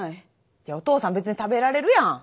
いやお父さん別に食べられるやん。